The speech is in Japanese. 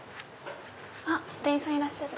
あっ店員さんいらっしゃる。